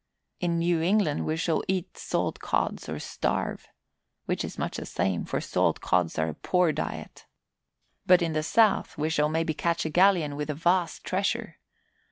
In New England we shall eat salt cods or starve which is much the same, for salt cods are a poor diet. But in the South we shall maybe catch a galleon with a vast treasure."